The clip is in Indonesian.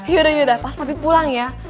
yaudah yudah pas papi pulang ya